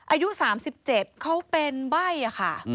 อายุ๓๗เขาเป็นใบ้ค่ะ